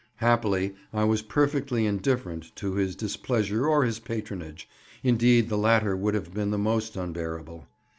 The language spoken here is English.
Happily, I was perfectly indifferent to his displeasure or his patronage—indeed the latter would have been the most unbearable.